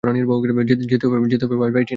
যেতে হবে bye, bye, Tina.